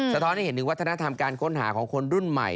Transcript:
สะท้อนให้เห็นถึงวัฒนธรรมการค้นหาของคนรุ่นใหม่